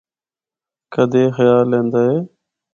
کدے اے خیال ایندا ہے۔